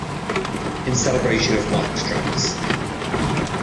In celebration of Wax Trax!